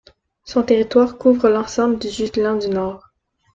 Son territoire couvre l'ensemble du Jutland du Nord.